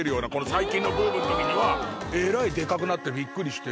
最近のブームのときにはえらいでかくなってびっくりして。